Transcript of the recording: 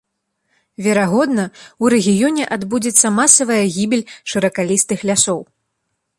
Верагодна, у рэгіёне адбудзецца масавая гібель шыракалістых лясоў.